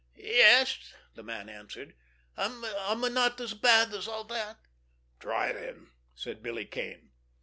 "Yes," the man answered. "I—I'm not as bad as all that." "Try, then," said Billy Kane.